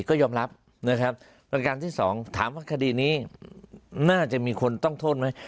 ก็ยอมรับนะครับประการที่สองถามว่าคดีนี้น่าจะมีคนต้องโทษไหม